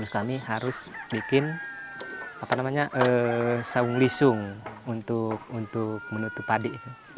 kami harus bikin sawung lisung untuk menutup padi